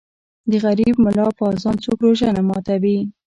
ـ د غریب ملا په اذان څوک روژه نه ماتوي.